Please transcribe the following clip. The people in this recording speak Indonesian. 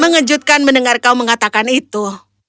mengejutkan mendengar kau mengatakan itu